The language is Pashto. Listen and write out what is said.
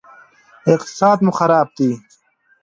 اقتصاد مو خراب دی